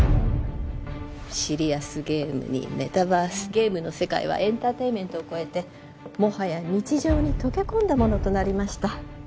シリアスゲームにメタバースゲームの世界はエンターテインメントを超えてもはや日常に溶け込んだものとなりました